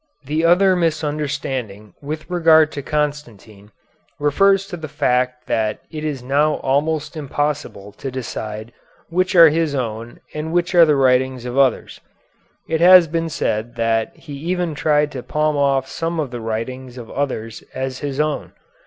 The other misunderstanding with regard to Constantine refers to the fact that it is now almost impossible to decide which are his own and which are the writings of others. It has been said that he even tried to palm off some of the writings of others as his own.